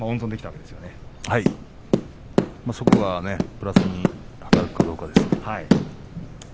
そこがプラスに働くかどうかですね。